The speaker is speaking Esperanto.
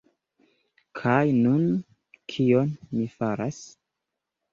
Kaj nun... kion mi faras?